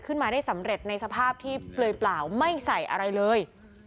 ขึ้นมาได้สำเร็จในสภาพที่เปลือยเปล่าไม่ใส่อะไรเลย